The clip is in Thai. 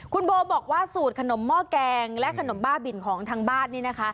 คุณโบบอกว่าสูตรขนมหมอกแกงและขนมบ้าบิลของทางบ้าน